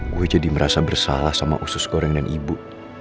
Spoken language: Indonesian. gue jadi merasa bersalah sama usus goreng dan ibu